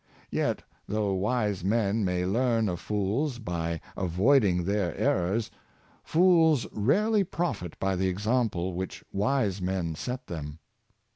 Yet, though wise men may learn of fools by avoiding their errors, fools rarely profit by the example which wise men set them.